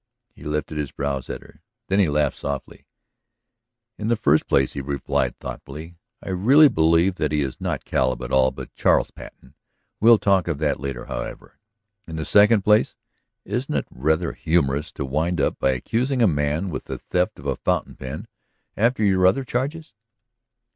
He lifted his brows at her. Then he laughed softly. "In the first place," he replied thoughtfully, "I really believe that he is not Caleb at all but Charles Patten. We'll talk of that later, however. In the second place isn't it rather humorous to wind up by accusing a man with the theft of a fountain pen after your other charges?"